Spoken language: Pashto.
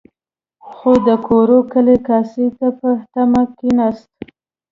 خو د کورو کلي کاسې ته په تمه نه کېناست.